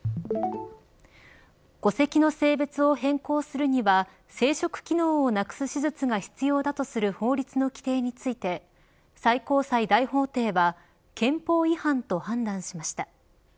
戸籍の性別を変更するには生殖機能をなくす手術が必要だとする法律の規定について最高裁大法廷は憲法違反と判断しました。